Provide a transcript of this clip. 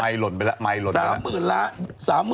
ไม้ลดไปแล้ว